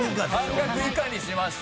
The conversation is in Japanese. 半額以下にしました。